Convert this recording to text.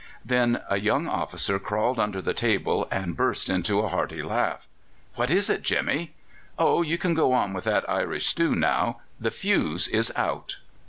Then a young officer crawled under the table and burst into a hearty laugh. "What is it, Jimmy?" "Oh, you can go on with that Irish stew now. The fuse is out."